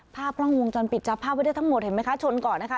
ภาพกล้องวงจรปิดจับภาพไว้ได้ทั้งหมดเห็นไหมคะชนก่อนนะคะ